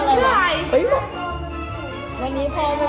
กลับมารมันทราบ